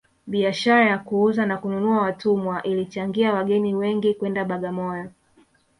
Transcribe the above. biashara ya kuuza na kununua watumwa ilichangia wageni wengi kwenda bagamoyo